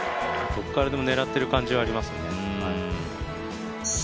どこからでも狙っている感じがありますね。